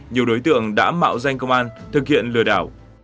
cả mạo danh công an thực hiện lừa đảo